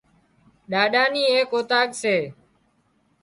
ڏاڏا نِي ايڪ اوطاق سي